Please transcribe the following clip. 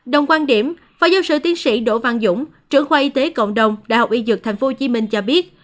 đồng quan điểm phó giáo sư tiến sĩ đỗ văn dũng trưởng khoa y tế cộng đồng đại học y dược tp hcm cho biết